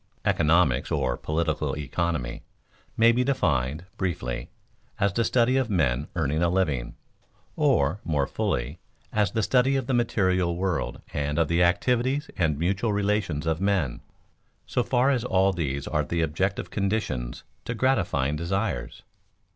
_Economics, or political economy, may be defined, briefly, as the study of men earning a living; or, more fully, as the study of the material world and of the activities and mutual relations of men, so far as all these are the objective conditions to gratifying desires.